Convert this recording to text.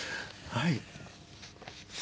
はい。